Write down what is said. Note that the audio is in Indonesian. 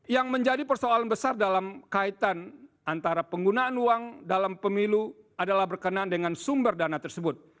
yang menjadi persoalan besar dalam kaitan antara penggunaan uang dalam pemilu adalah berkenaan dengan sumber dana tersebut